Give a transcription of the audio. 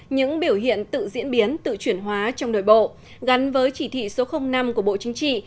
những biểu hiện tự diễn biến tự chuyển hóa trong nội bộ gắn với chỉ thị số năm của bộ chính trị